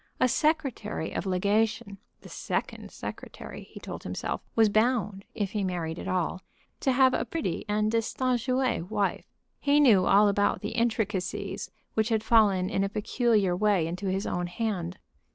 A secretary of legation, the second secretary, he told himself, was bound, if he married at all, to have a pretty and distinguée wife. He knew all about the intricacies which had fallen in a peculiar way into his own hand.